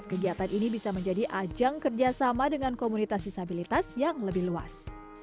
kegiatan ini bisa menjadi ajang kerjasama dengan komunitas disabilitas yang lebih luas